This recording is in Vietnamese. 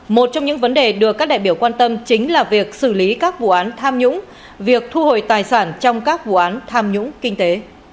một trong những vấn đề được các đại biểu quan tâm chính là việc xử lý các vụ án tham nhũng việc thu hồi tài sản trong các vụ án tham nhũng kinh tế